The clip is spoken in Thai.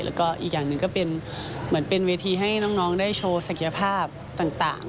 แล้วก็อีกอย่างหนึ่งก็เป็นเหมือนเป็นเวทีให้น้องได้โชว์ศักยภาพต่าง